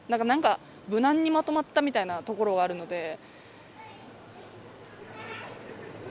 何か無難にまとまったみたいなところはあるので。